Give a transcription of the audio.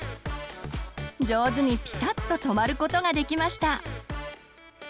上手にピタッと止まることができました。